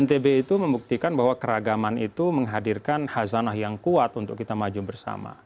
ntb itu membuktikan bahwa keragaman itu menghadirkan hazanah yang kuat untuk kita maju bersama